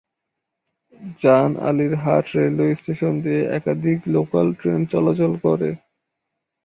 জান আলীর হাট রেলওয়ে স্টেশন দিয়ে একাধিক লোকাল ট্রেন চলাচল করে।